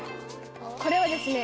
これはですね